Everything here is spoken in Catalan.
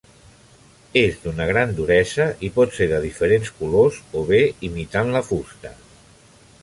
És d'una gran duresa i pot ser de diferents colors o bé imitant la fusta.